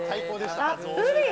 たっぷり！